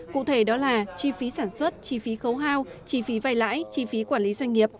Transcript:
cụ thể đó là chi phí sản xuất chi phí khấu hao chi phí vay lãi chi phí quản lý doanh nghiệp